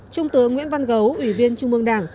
trung tướng nguyễn văn gấu ủy viên trung mương đảng